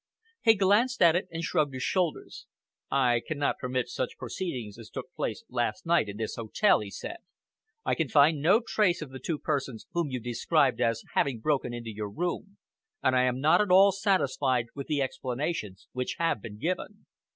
He glanced at it, and shrugged his shoulders. "I cannot permit such proceedings as took place last night in this hotel," he said. "I can find no trace of the two persons whom you described as having broken into your room, and I am not at all satisfied with the explanations which have been given."